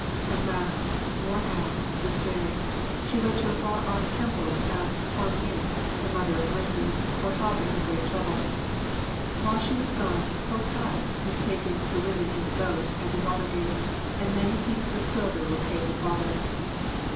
At last, worn out, despairing, she went to a far off temple to ask Kwan yin, the Mother of Mercies, for help in her great trouble. While she was gone, Ho tai was taken to the women in the boat at the water gate, and many pieces of silver were paid the father.